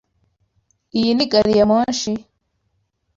Iyi ni gariyamoshi?